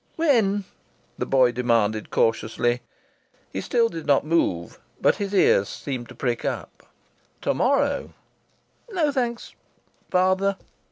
"When?" the boy demanded cautiously. He still did not move, but his ears seemed to prick up. "To morrow?" "No thanks ... father."